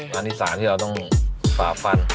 มาดีสารที่เราต้องปราบฟัน